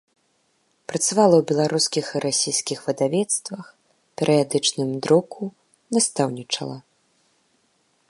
Працавала ў беларускіх і расійскіх выдавецтвах, перыядычным друку, настаўнічала.